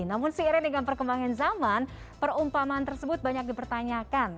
namun seiring dengan perkembangan zaman perumpamaan tersebut banyak dipertanyakan